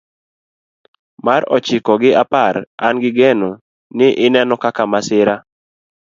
Mar ochiko gi apar an gi geno ni ineno kaka masira